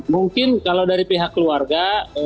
mungkin kalau dari pihak keluarga